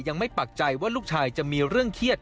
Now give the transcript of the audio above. ปักใจว่าลูกชายจะมีเรื่องเครียด